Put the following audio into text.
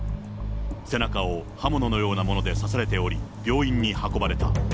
背中を刃物のようなもので刺されており、病院に運ばれた。